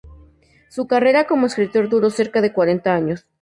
Su carrera como escritor duró cerca de cuarenta años.